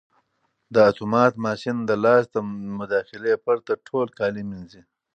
دا اتومات ماشین د لاس له مداخلې پرته ټول کالي مینځي.